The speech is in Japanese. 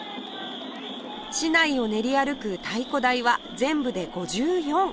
市内を練り歩く太鼓台は全部で５４